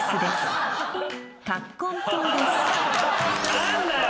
何だよ！